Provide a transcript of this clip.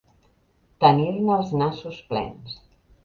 Tenir-ne els nassos plens.